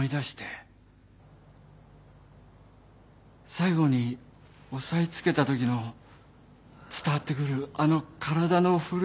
最後に押さえつけたときの伝わってくるあの体の震えが気持ち良くて。